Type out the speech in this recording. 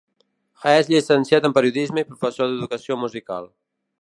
És llicenciat en periodisme i professor d'educació musical.